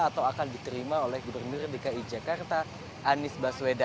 atau akan diterima oleh gubernur dki jakarta anies baswedan